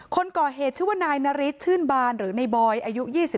คนก่อเหตุชื่อว่านายนาริสชื่นบานหรือในบอยอายุ๒๓